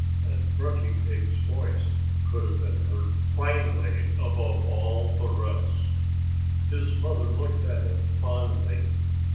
And Grunty Pig's voice could have been heard plainly above all the rest. His mother looked at him fondly.